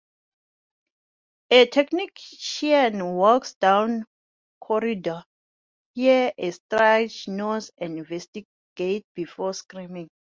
A technician walks down a corridor, hears a strange noise and investigates before screaming.